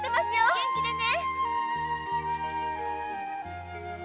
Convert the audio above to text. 元気でね。